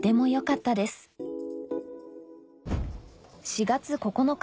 ４月９日